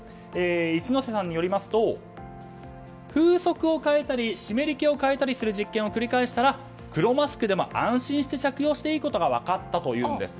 一之瀬さんによると風速を変えたり湿り気を変えたりする実験を繰り返したら黒マスクでも安心して着用していいことが分かったというんです。